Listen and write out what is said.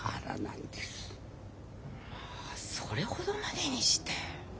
まあそれほどまでにして。